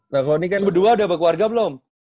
nah kalo ini kan berdua udah berkeluarga belum